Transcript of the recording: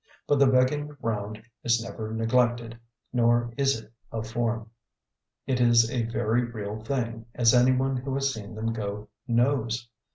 But the begging round is never neglected, nor is it a form. It is a very real thing, as anyone who has seen them go knows.